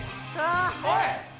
おい！